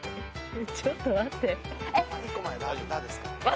ちょっと待って。